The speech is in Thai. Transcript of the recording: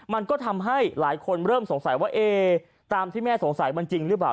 มันก็ทำให้หลายคนเริ่มสงสัยว่าเอ๊ตามที่แม่สงสัยมันจริงหรือเปล่า